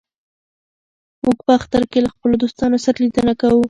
موږ په اختر کې له خپلو دوستانو سره لیدنه کوو.